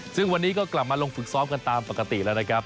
ซึ่งวันนี้ก็กลับมาลงฝึกซ้อมกันตามปกติแล้วนะครับ